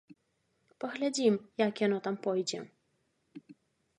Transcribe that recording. Паглядзім, як яно там пойдзе.